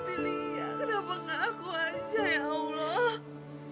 kenapa nggak aku aja ya allah